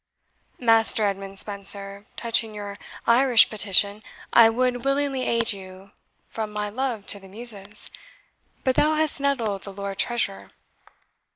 Master Edmund Spenser, touching your Irish petition, I would willingly aid you, from my love to the Muses; but thou hast nettled the Lord Treasurer."